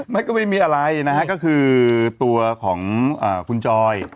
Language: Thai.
ก็ไม่มีอะไรนะฮะก็คือตัวของคุณจอย